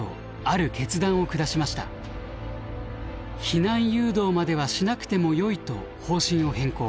避難誘導まではしなくてもよいと方針を変更。